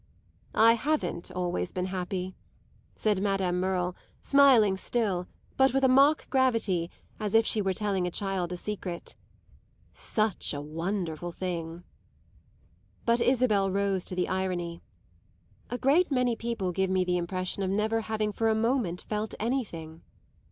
"I haven't always been happy," said Madame Merle, smiling still, but with a mock gravity, as if she were telling a child a secret. "Such a wonderful thing!" But Isabel rose to the irony. "A great many people give me the impression of never having for a moment felt anything."